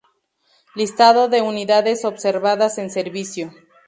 Listado de unidades observadas en servicio.